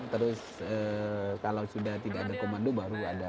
terus kalau sudah tidak ada komando baru ada